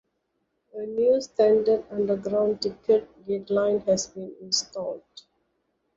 A new standard Underground ticket gateline has been installed.